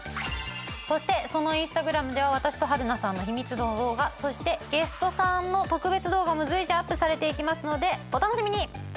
そしてそのインスタグラムでは私と春菜さんの秘密の動画そしてゲストさんの特別動画も随時アップされていきますのでお楽しみに！